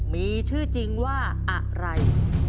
มีชื่อจริงว่าอะไร